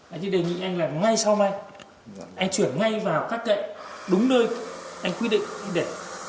anh chỉ đề nghị anh là ngay sau đây anh chuyển ngay vào các cậy đúng nơi anh quy định để